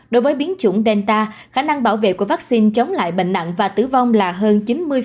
đối với biến chủng delta khả năng bảo vệ của vaccine chống lại bệnh nặng và tử vong là hơn chín mươi